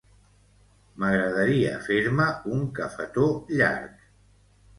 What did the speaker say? M'agradaria fer-me un cafetó llarg.